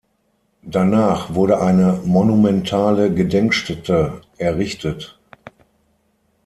Danach wurde eine monumentale Gedenkstätte errichtet.